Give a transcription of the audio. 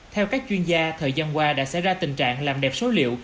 theo các chuyên gia thời gian qua đã xảy ra tình trạng làm đẹp số liệu